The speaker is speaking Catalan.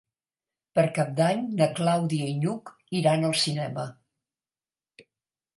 Per Cap d'Any na Clàudia i n'Hug iran al cinema.